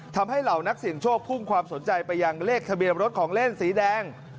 เหล่านักเสี่ยงโชคพุ่งความสนใจไปยังเลขทะเบียนรถของเล่นสีแดง